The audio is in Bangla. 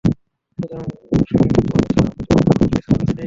সুতরাং সেগুলোকে সত্য বা মিথ্যা প্রতিপন্ন করার মত কিছু আমাদের কাছে নেই।